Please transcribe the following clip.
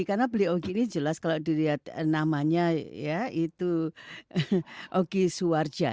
karena bully ogi ini jelas kalau dilihat namanya ya itu ogi suwarja